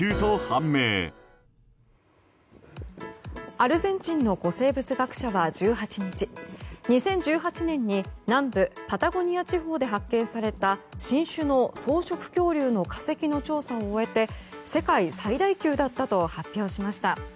アルゼンチンの古生物学者は、１８日２０１８年に南部パタゴニア地方で発見された新種の草食恐竜の化石の調査を終えて世界最大級だったと発表しました。